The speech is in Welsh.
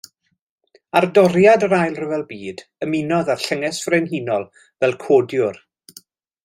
Ar doriad yr Ail Ryfel Byd ymunodd â'r Llynges Frenhinol fel codiwr.